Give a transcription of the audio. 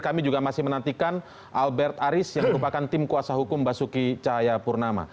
kami juga masih menantikan albert aris yang merupakan tim kuasa hukum basuki cahayapurnama